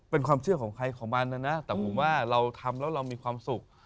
เป็นความเชื่อของใครของมันนะนะแต่ผมว่าเราทำแล้วเรามีความสุข